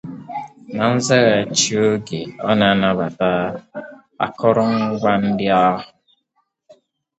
Na nzaghàchi oge ọ na-anabàta akụrụngwa ndị ahụ